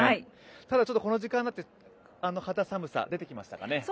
ただ、この時間になって肌寒さ出てきましたかね。